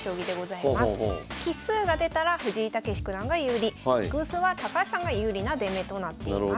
奇数が出たら藤井猛九段が有利偶数は高橋さんが有利な出目となっています。